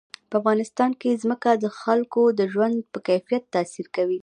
په افغانستان کې ځمکه د خلکو د ژوند په کیفیت تاثیر کوي.